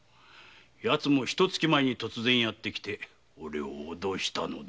ヤツもひと月前に突然やってきておれを脅したのだ。